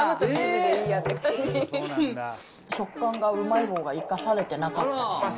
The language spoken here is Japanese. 食感がうまい棒が生かされてなかった。